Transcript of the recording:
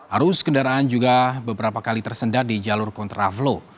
arus kendaraan juga beberapa kali tersendat di jalur kontraflow